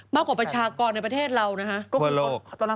เพราะว่าเขาเลิกกันแล้วเขามีแฟนใหม่